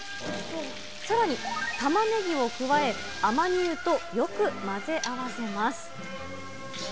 さらに、たまねぎを加え、アマニ油とよく混ぜ合わせます。